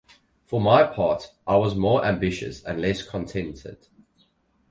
For my part, I was more ambitious and less contented.